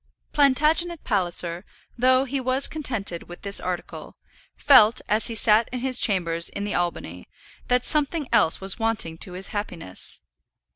Plantagenet Palliser, though he was contented with this article, felt, as he sat in his chambers in the Albany, that something else was wanting to his happiness.